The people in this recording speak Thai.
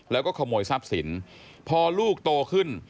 แล้วก็ขโมยทรัพย์สินพอลูกโตขึ้น